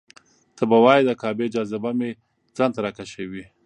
ته به وایې د کعبې جاذبه مې ځان ته راکشوي.